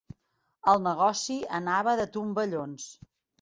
El negoci anava de tomballons.